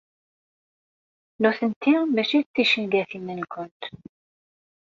Nutenti mačči d ticengatin-nkent.